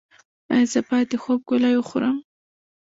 ایا زه باید د خوب ګولۍ وخورم؟